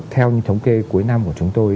theo những thống kê cuối năm của chúng tôi